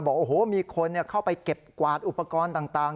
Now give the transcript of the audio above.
บอกโอ้โหมีคนเข้าไปเก็บกวาดอุปกรณ์ต่าง